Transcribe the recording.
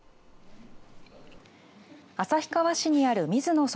旭川市にある水野染